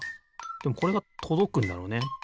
でもこれがとどくんだろうね。